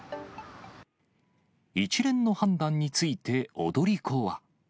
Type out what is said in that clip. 一連の判断について踊り子は。